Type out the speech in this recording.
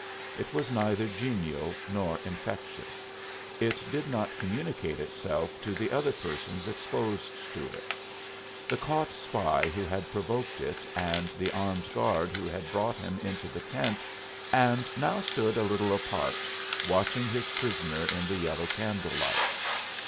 It was neither genial nor infectious; it did not communicate itself to the other persons exposed to it the caught spy who had provoked it and the armed guard who had brought him into the tent and now stood a little apart, watching his prisoner in the yellow candle light.